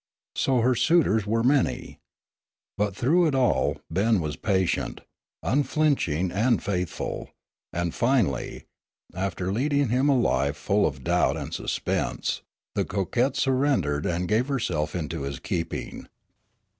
So her suitors were many. But through it all Ben was patient, unflinching and faithful, and finally, after leading him a life full of doubt and suspense, the coquette surrendered and gave herself into his keeping.